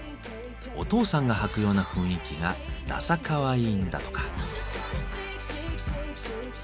お父さんが履くような雰囲気がダサかわいいんだとか。